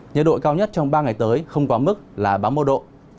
nhiệt độ cao nhất trong ba ngày tới không quá mức là ba mươi một độ